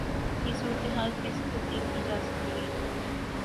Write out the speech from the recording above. یہ صورتحال کیسے تبدیل کی جا سکے گی؟